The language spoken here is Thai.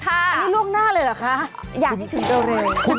ปีหน้าก็เจอกันใหม่วันนี้๒มกราศาสน์